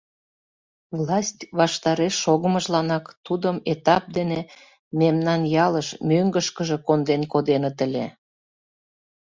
Власть ваштареш шогымыжланак тудым этап дене мемнан ялыш, мӧҥгышкыжӧ, конден коденыт ыле.